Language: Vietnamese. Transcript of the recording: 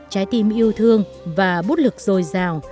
trái tim yêu thương và bút lực dồi dào